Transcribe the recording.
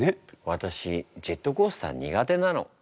わたしジェットコースター苦手なの。